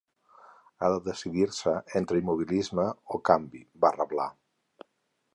Ha de decidir-se entre immobilisme o canvi, va reblar.